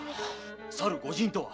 さる御仁とは？